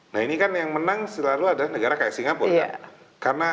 nah ini kan yang menang selalu ada negara kayak singapura